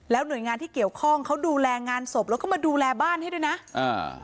หน่วยงานที่เกี่ยวข้องเขาดูแลงานศพแล้วก็มาดูแลบ้านให้ด้วยนะอ่า